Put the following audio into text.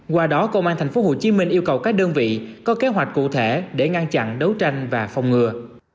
qua đó công an tp hcm yêu cầu các đơn vị có kế hoạch cụ thể để ngăn chặn đấu tranh và phòng ngừa